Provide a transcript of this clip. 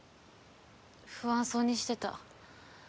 不安そうにしてた。